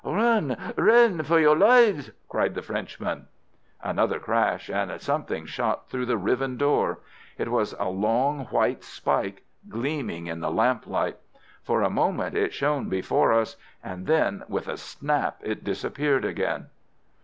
"Run, run for your lives!" cried the Frenchman. Another crash, and something shot through the riven door. It was a long white spike, gleaming in the lamplight. For a moment it shone before us, and then with a snap it disappeared again.